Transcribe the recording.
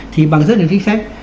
thì bằng rất nhiều chính sách